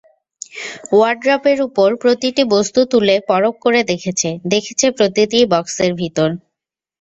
ওয়ারড্রবের ওপর প্রতিটি বস্তু তুলে পরখ করে দেখেছে, দেখেছে প্রতিটি বক্সের ভেতর।